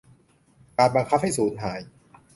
การบังคับให้สูญหาย